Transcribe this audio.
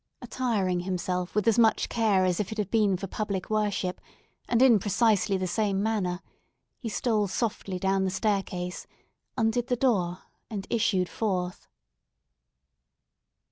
Attiring himself with as much care as if it had been for public worship, and precisely in the same manner, he stole softly down the staircase, undid the door, and issued forth.